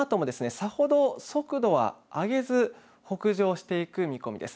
さほど速度は上げず北上していく見込みです。